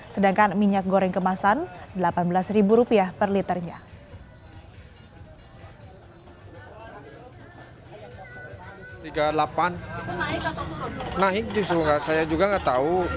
sedangkan minyak goreng kemasan rp delapan belas per liternya